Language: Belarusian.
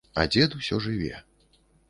А дзед усё жыве.